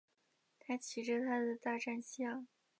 他骑着他的大战象。